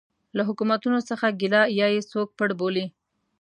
له حکومتونو څه ګیله یا یې څوک پړ بولي.